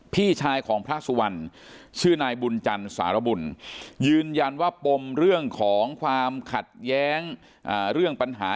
พี่ชายของพระสุวรรณชื่อนายบุญจันทร์สารบุญยืนยันว่าปมเรื่องของความขัดแย้งเรื่องปัญหา